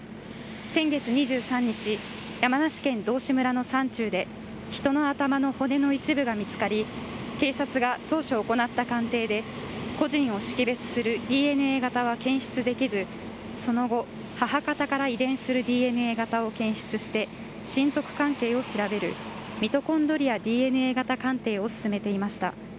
先月２３日、山梨県道志村の山中で人の頭の骨の一部が見つかり警察が当初行った鑑定で個人を識別するＤＮＡ型は検出できずその後、母方から遺伝するＤＮＡ型を検出して親族関係を調べるミトコンドリアＤＮＡ型鑑定を進めていました。